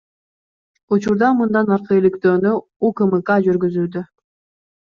Учурда мындан аркы иликтөөнү УКМК жүргүзүүдө.